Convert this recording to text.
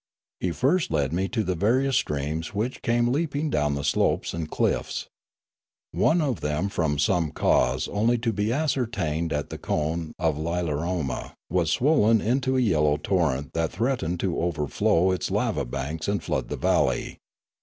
He first led me to the various streams which came leaping down the slopes and cliffs. One of them from some cause only to be ascertained at the cone of Lilaroma was swollen into a yellow torrent that threatened to overflow its lava banks and flood the valley.